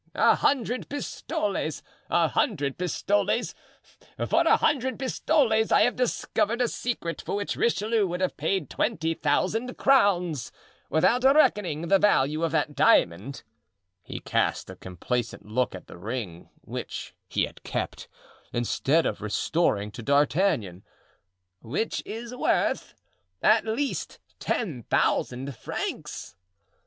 "A hundred pistoles! a hundred pistoles! for a hundred pistoles I have discovered a secret for which Richelieu would have paid twenty thousand crowns; without reckoning the value of that diamond"—he cast a complacent look at the ring, which he had kept, instead of restoring to D'Artagnan—"which is worth, at least, ten thousand francs."